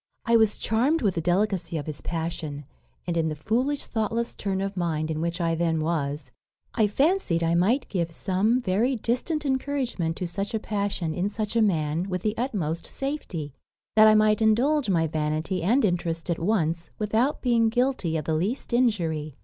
I was charmed with the delicacy of his passion; and, in the foolish thoughtless turn of mind in which I then was, I fancied I might give some very distant encouragement to such a passion in such a man with the utmost safety that I might indulge my vanity and interest at once, without being guilty of the least injury.